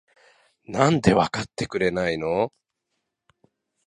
なんでわかってくれないの？？